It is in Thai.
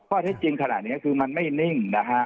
ข้อเท็จจริงขนาดนี้คือมันไม่นิ่งนะฮะ